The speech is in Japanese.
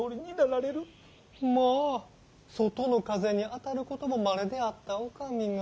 んまぁ外の風に当たることも稀であったお上が。